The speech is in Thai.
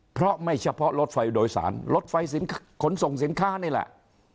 เพราะไม่เฉพาะรถไฟโดยสารรถไฟขนส่งสินค้านี่แหละ